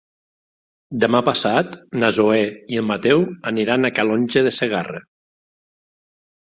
Demà passat na Zoè i en Mateu aniran a Calonge de Segarra.